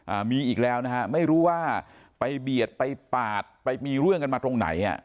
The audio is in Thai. อ่ามีอีกแล้วนะฮะไม่รู้ว่าไปเบียดไปปาดไปมีเรื่องกันมาตรงไหนอ่ะ